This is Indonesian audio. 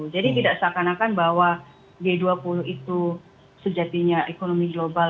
jadi tidak seakan akan bahwa g dua puluh itu sejatinya ekonomi global